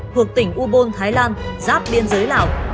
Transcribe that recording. thuộc tỉnh ubon thái lan giáp biên giới lào